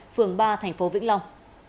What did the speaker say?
phường ba tp vĩnh long